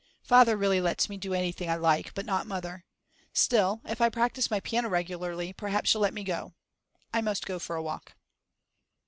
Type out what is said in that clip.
Father really lets me do anything I like, but not Mother. Still, if I practice my piano regularly perhaps she'll let me go. I must go for a walk.